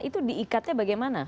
itu diikatnya bagaimana